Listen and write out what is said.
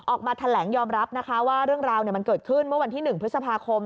ออกมาแถลงยอมรับนะคะว่าเรื่องราวมันเกิดขึ้นเมื่อวันที่๑พฤษภาคม